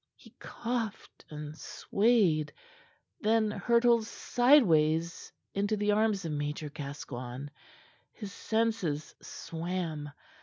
He coughed and swayed, then hurtled sideways into the arms of Major Gascoigne. His senses swam.